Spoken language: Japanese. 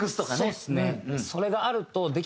そうですね。